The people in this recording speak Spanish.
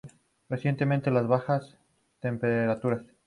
Resiste las bajas temperaturas.